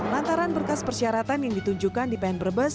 lantaran berkas persyaratan yang ditunjukkan di pn brebes